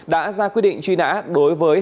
đã ra quyết định truy nã đối với